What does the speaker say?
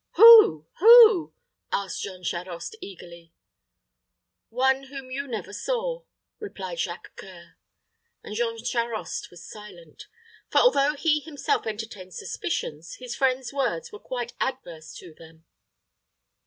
"Who who?" asked Jean Charost, eagerly. "One whom you never saw," replied Jacques C[oe]ur; and Jean Charost was silent; for although he himself entertained suspicions, his friend's words were quite adverse to them.